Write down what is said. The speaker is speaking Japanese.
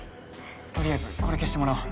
とりあえずこれ消してもらおう。